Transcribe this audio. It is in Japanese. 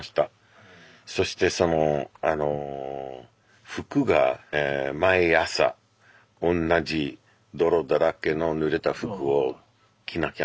そしてその服が毎朝おんなじ泥だらけのぬれた服を着なきゃなんなかったんですよね。